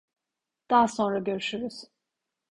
Daha sonra görüşürüz.